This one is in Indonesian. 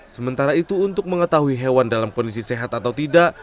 sementara itu untuk mengetahui hewan dalam kondisi sehat atau tidak